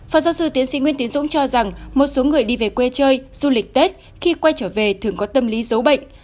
phó giáo sư tiến sĩ nguyễn tiến dũng cho rằng một số người đi về quê chơi du lịch tết khi quay trở về thường có tâm lý giấu bệnh